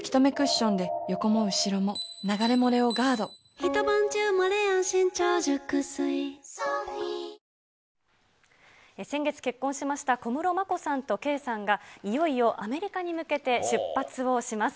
きょう改めて、ビッグボスっ先月結婚しました小室眞子さんと圭さんが、いよいよアメリカに向けて出発をします。